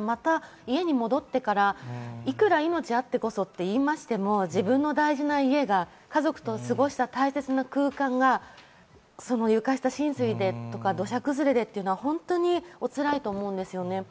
また家に戻ってから、いくら命があってこそと言いましても自分の大事な家が家族と過ごした大切な空間が床下浸水、土砂崩れでというのは本当におつらいと思います。